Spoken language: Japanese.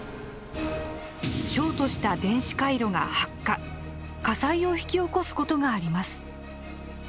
ショートした電子回路が発火火災を引き起こすことがあります。